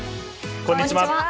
こんにちは。